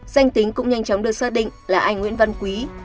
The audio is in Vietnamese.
danh tính cũng nhanh chóng được xác định là anh nguyễn văn quý